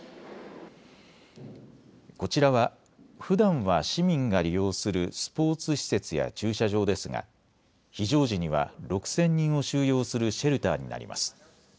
こちらはふだんは市民が利用するスポーツ施設や駐車場ですが非常時には６０００人を収容するシェルターになります。